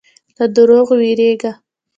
له دروغو وېرېږه.